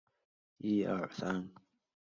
前身是高雄市实验国乐团。